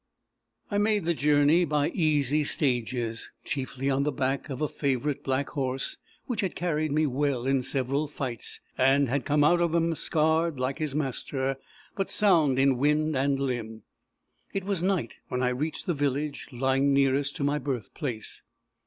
_ I made the journey by easy stages, chiefly on the back of a favourite black horse, which had carried me well in several fights, and had come out of them scarred, like his master, but sound in wind and limb. It was night when I reached the village lying nearest to my birth place.